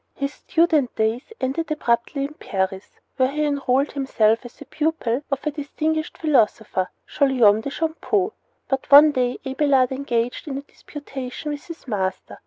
His student days ended abruptly in Paris, where he had enrolled himself as the pupil of a distinguished philosopher, Guillaume de Champeaux; but one day Abelard engaged in a disputation with his master.